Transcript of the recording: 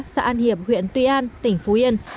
xã an hiểm huyện tuy an tỉnh phú yên